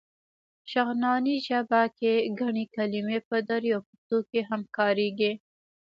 شغناني ژبه کې ګڼې کلمې په دري او پښتو کې هم کارېږي.